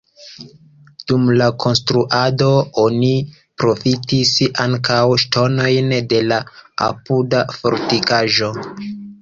Dum la konstruado oni profitis ankaŭ ŝtonojn de la apuda fortikaĵo.